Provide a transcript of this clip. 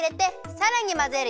さらにまぜる。